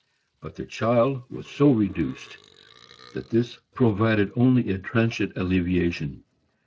But the child was so reduced that this proved only a transient alleviation.